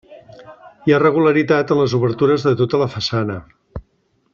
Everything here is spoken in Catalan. Hi ha regularitat en les obertures de tota la façana.